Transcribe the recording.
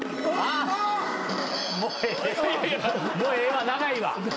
もうええわ長いわ。